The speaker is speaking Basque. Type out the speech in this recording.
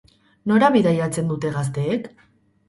Nora bidaiatzen dute gazteek?